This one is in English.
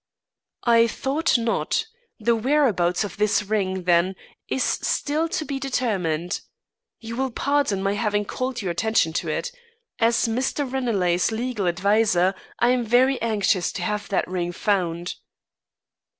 "I thought not. The whereabouts of this ring, then, is still to be determined. You will pardon my having called your attention to it. As Mr. Ranelagh's legal adviser, I am very anxious to have that ring found."